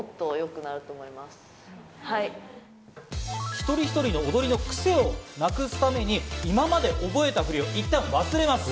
一人一人の踊りのクセをなくすために、今まで覚えた振りを一旦忘れます。